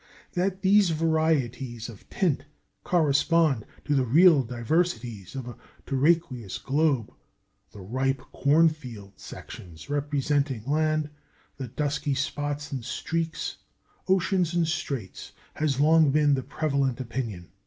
That these varieties of tint correspond to the real diversities of a terraqueous globe, the "ripe cornfield" sections representing land, the dusky spots and streaks, oceans and straits, has long been the prevalent opinion.